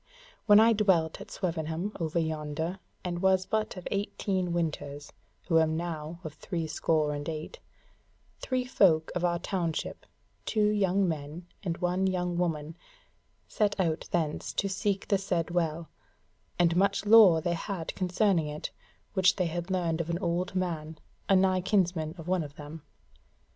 When I dwelt at Swevenham over yonder, and was but of eighteen winters, who am now of three score and eight, three folk of our township, two young men and one young woman, set out thence to seek the said Well: and much lore they had concerning it, which they had learned of an old man, a nigh kinsman of one of them.